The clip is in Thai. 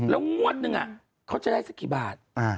แล้วงวดนึงเขาจะได้สักกี่บาท